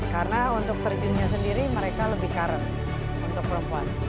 karena untuk terjunnya sendiri mereka lebih current untuk perempuan